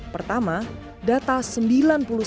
pertama data sembilan